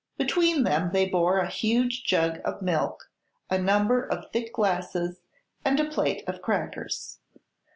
Between them they bore a huge jug of milk, a number of thick glasses and a plate of crackers.